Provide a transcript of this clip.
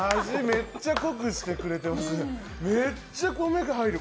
めっちゃ濃くしてくれてますね。